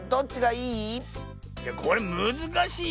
いやこれむずかしいよ。